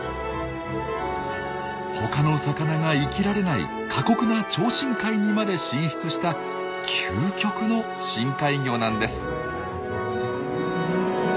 他の魚が生きられない過酷な超深海にまで進出した究極の深海魚なんです。